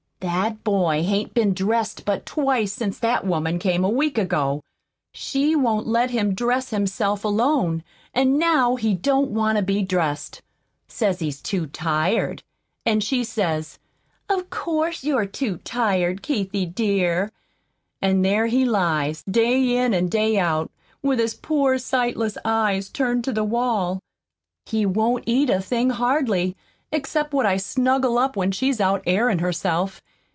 "That boy hain't been dressed but twice since that woman came a week ago. She won't let him dress himself alone an' now he don't want to be dressed. Says he's too tired. An' she says, 'Of course, you're too tired, Keithie, dear!' An' there he lies, day in an' day out, with his poor sightless eyes turned to the wall. He won't eat a thing hardly, except what I snuggle up when she's out airin' herself.